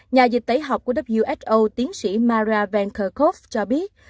nhà dịch tẩy học của who tiến sĩ mara van kerkhove cho biết